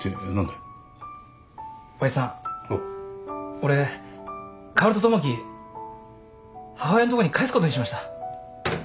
俺薫と友樹母親んとこに返すことにしました。